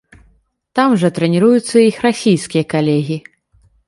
Там жа трэніруюцца і іх расійскія калегі.